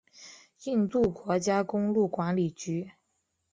印度国家公路管理局。